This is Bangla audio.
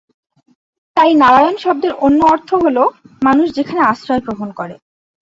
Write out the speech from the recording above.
তাই "নারায়ণ" শব্দের অন্য অর্থ হল, "মানুষ যেখানে আশ্রয় গ্রহণ করে।"